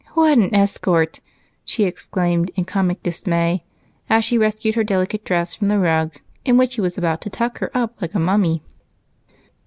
"What an escort!" she exclaimed in comic dismay, as she rescued her delicate dress from a rug in which he was about to tuck her up like a mummy.